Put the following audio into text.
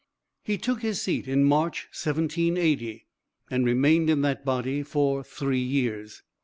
He took his seat in March, 1780, and remained in that body for three years.